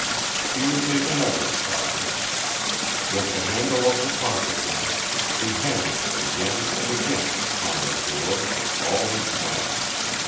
He would make another trial. With the handle of the pocket knife he hammered again and again upon the door with all his might.